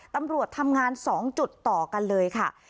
ตำรวจทำงาน๒จุดต่อกันเลยค่ะ